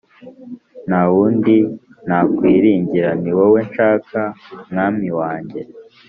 ntawundi nakwiringira ni wowe nshaka mwami wanjye